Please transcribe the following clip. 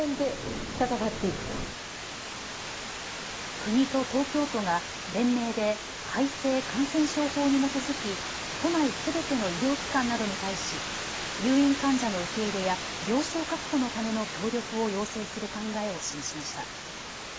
国と東京都が連名で改正感染症法に基づき都内すべての医療機関などに対し入院患者の受け入れや病床確保のための協力を要請する考えを示しました。